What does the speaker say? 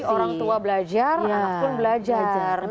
jadi orang tua belajar anak pun belajar